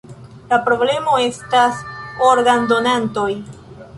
La problemo estas organdonantoj.